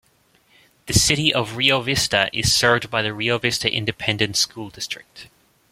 The City of Rio Vista is served by the Rio Vista Independent School District.